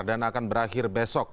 dan akan berakhir besok